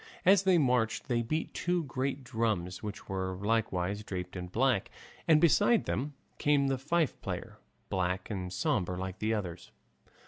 As they marched they beat two great drums which were likewise draped in black, and beside them came the fife player, black and sombre like the others.